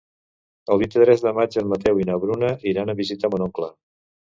El vint-i-tres de maig en Mateu i na Bruna iran a visitar mon oncle.